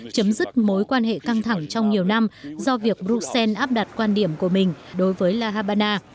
chấm dứt mối quan hệ căng thẳng trong nhiều năm do việc bruxelles áp đặt quan điểm của mình đối với la habana